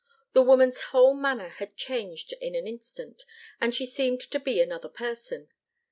The woman's whole manner had changed in an instant, and she seemed to be another person.